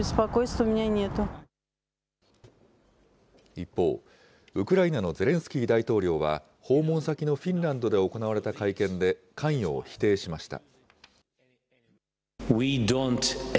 一方、ウクライナのゼレンスキー大統領は訪問先のフィンランドで行われた会見で、関与を否定しました。